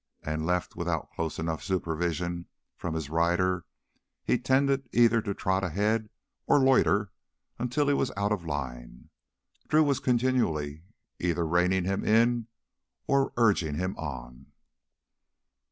And, left without close enough supervision from his rider, he tended either to trot ahead or loiter until he was out of line. Drew was continually either reining him in or urging him on.